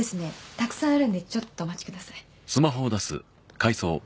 たくさんあるんでちょっとお待ちください